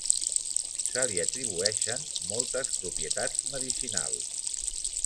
Se li atribueixen moltes propietats medicinals.